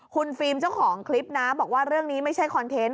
คุณฟิล์มเจ้าของคลิปนะบอกว่าเรื่องนี้ไม่ใช่คอนเทนต์